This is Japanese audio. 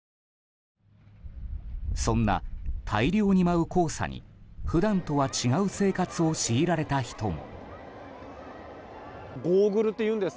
そんな大量に舞う黄砂に普段とは違う生活を強いられた人も。